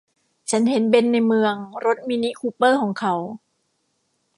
ฉันเห็นเบ็นในเมืองรถ มินิคูเปอร์ของเขา